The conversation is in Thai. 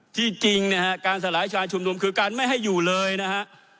จริงนะฮะการสลายการชุมนุมคือการไม่ให้อยู่เลยนะฮะ